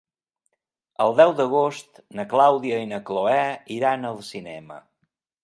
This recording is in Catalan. El deu d'agost na Clàudia i na Cloè iran al cinema.